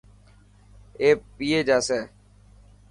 اي پئي جاسي.